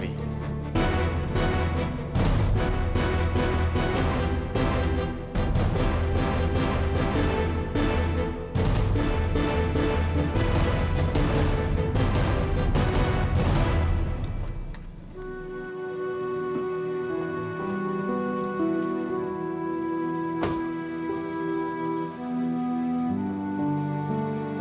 tante aku mau pergi